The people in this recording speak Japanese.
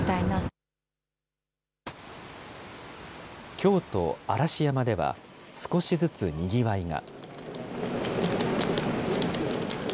京都・嵐山では、少しずつにぎわいが。